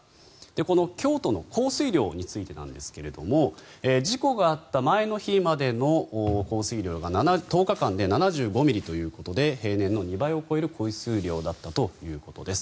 この京都の降水量についてなんですが事故があった前の日までの降水量が１０日間で７５ミリということで平年の２倍を超える降水量だったということです。